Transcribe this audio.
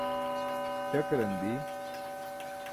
śakaran bi